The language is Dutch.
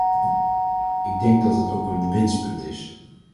Ik denk dat het ook een winstpunt is.